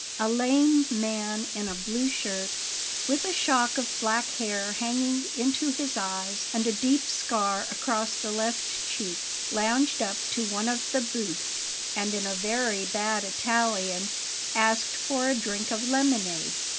A lame man in a blue shirt, with a shock of black hair hanging into his eyes and a deep scar across the left cheek, lounged up to one of the booths and, in very bad Italian, asked for a drink of lemonade.